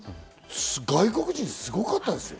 外国人がすごかったですよ。